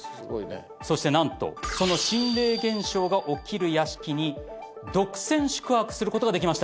そして何とその心霊現象が起きる屋敷に独占宿泊することができました。